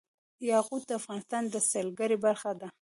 یاقوت د افغانستان د سیلګرۍ برخه ده.